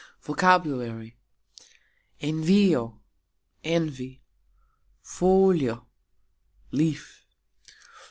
VOCABULARY. envio : envy. folio : leaf.